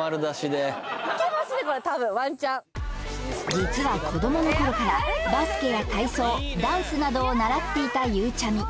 実は子供のころからバスケや体操ダンスなどを習っていたゆうちゃみ